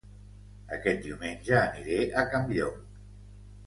Aquest diumenge aniré a Campllong